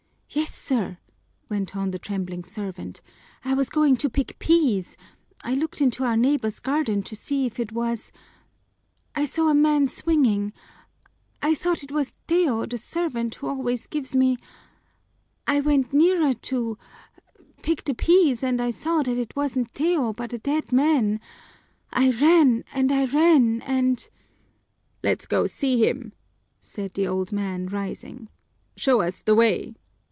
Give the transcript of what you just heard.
"Yes, sir," went on the trembling servant; "I was going to pick peas I looked into our neighbor's garden to see if it was I saw a man swinging I thought it was Teo, the servant who always gives me I went nearer to pick the peas, and I saw that it wasn't Teo, but a dead man. I ran and I ran and " "Let's go see him," said the old man, rising. "Show us the way."